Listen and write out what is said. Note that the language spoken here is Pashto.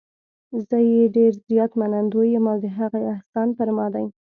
زه یې ډېر زیات منندوی یم او د هغې احسان پر ما دی.